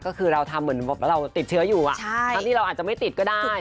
ก็คือเราทำเหมือนเราติดเชื้ออยู่ทั้งที่เราอาจจะไม่ติดก็ได้